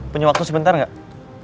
punya waktu sebentar gak